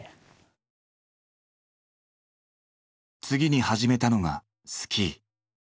次に始めたのがスキー。